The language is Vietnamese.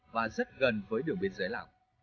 và rất gần với đường biên giới lào